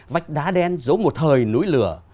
vách đá đen giống một thời núi lửa